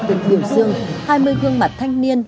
từ biểu dương hai mươi gương mặt thanh niên